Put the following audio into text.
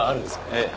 ええ。